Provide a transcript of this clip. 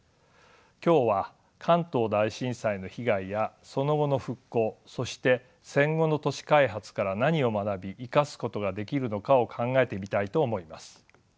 今日は関東大震災の被害やその後の復興そして戦後の都市開発から何を学び生かすことができるのかを考えてみたいと思います。